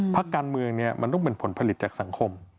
พักการเมืองมันต้องเป็นผลผลิตจากสังคม